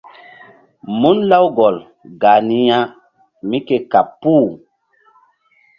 Mun Lawgol gah ni ya mí ke kaɓ puh.